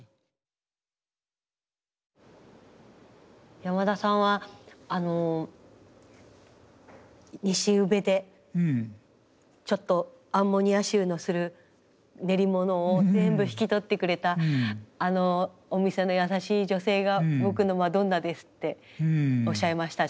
山田さんはあの西宇部でちょっとアンモニア臭のする練りものを全部引き取ってくれたあのお店の優しい女性が僕のマドンナですっておっしゃいましたし。